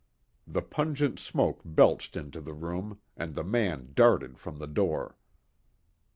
The pungent smoke belched into the room, and the man darted from the door.